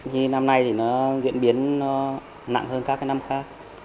như năm nay thì nó diễn biến nó nặng hơn các cái năm khác